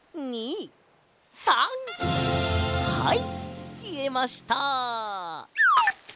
はいきえました！